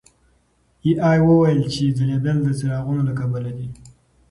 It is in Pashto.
اې ای وویل چې ځلېدل د څراغونو له کبله دي.